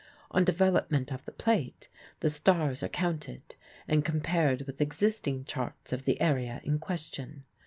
On development of the plate the stars are counted and compared with existing charts of the area in question.